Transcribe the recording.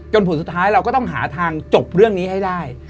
ผลสุดท้ายเราก็ต้องหาทางจบเรื่องนี้ให้ได้